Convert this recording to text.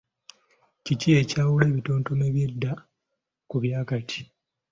Kiki ekyawula ebitontome eby’edda ku bya kaakati?